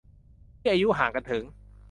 ที่อายุห่างกันถึง